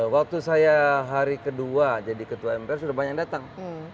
waktu saya hari kedua jadi ketua mpr sudah banyak yang datang